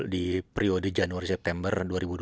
di periode januari september dua ribu dua puluh